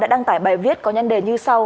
đăng tải bài viết có nhân đề như sau